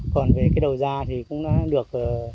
còn về cái đầu da thì cũng đã được